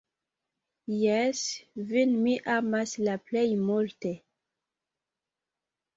Jes, vin mi amas la plej multe!